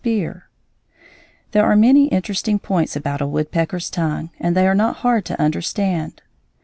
] There are many interesting points about a woodpecker's tongue, and they are not hard to understand.